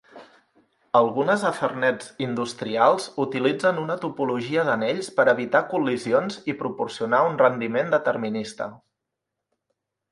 Algunes Ethernets industrials utilitzen una topologia d'anells per evitar col·lisions i proporcionar un rendiment determinista.